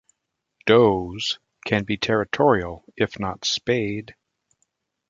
Does can be territorial if not spayed.